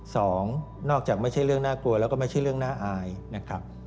สองนอกจากไม่ใช่เรื่องน่ากลัวแล้วก็ไม่ใช่เรื่องน่าอายนะครับ